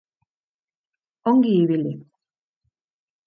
Ongi ibili.